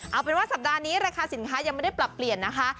เอาเป็นว่าสัปดาห์นี้ราคาสินค้ายังไม่ได้ปรับเปลี่ยนนะคะ